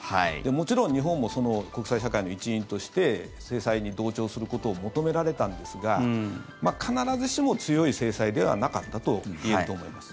もちろん日本も国際社会の一員として制裁に同調することを求められたんですが必ずしも強い制裁ではなかったと言えると思います。